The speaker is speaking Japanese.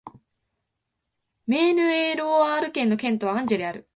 メーヌ＝エ＝ロワール県の県都はアンジェである